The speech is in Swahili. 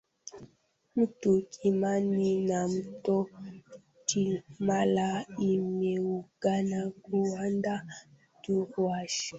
mto kimani na mto chimala imeungana kuunda mto ruaha